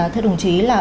thưa đồng chí là